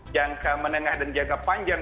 jangka menengah dan jangka panjang